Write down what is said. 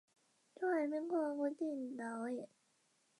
不同的缓存架构处理这个问题的方式是不同的。